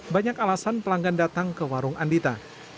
banyak alasan pelanggan datang ke warung andita